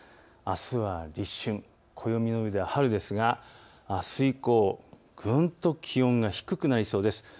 あすは立春、暦の上では春ですがあす以降、ぐんと気温が低くなりそうです。